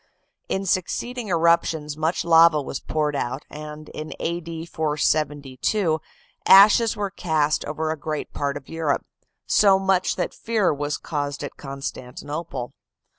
In succeeding eruptions much lava was poured out; and in A. D. 472, ashes were cast over a great part of Europe, so that much fear was caused at Constantinople.